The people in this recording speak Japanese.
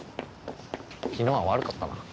昨日は悪かったな。